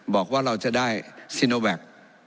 บอกว่าเราจะได้ซีโนแวค